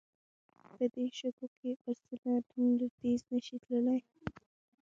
په دې شګو کې آسونه دومره تېز نه شي تلای.